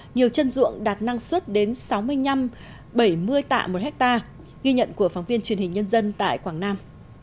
nhiều chân ruộng đạt năng suất đến sáu mươi năm bảy mươi tạ một hectare ghi nhận của phóng viên truyền hình nhân dân tại quảng nam